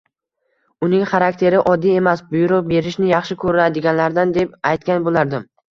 Uning xarakteri oddiy emas, buyruq berishni yaxshi ko`radiganlardan deb aytgan bo`lardim